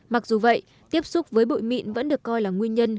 mặc dù vậy tiếp xúc với bụi mịn vẫn được coi là nguyên nhân